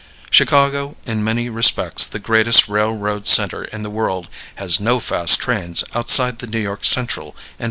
Chicago, in many respects the greatest railroad center in the world, has no fast trains outside the New York Central and Pennsylvania trains referred to.